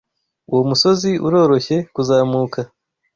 Uwo musozi uroroshye kuzamuka.